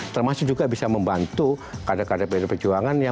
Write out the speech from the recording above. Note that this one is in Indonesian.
termasuk juga bisa membantu kadang kadang pdi perjuangan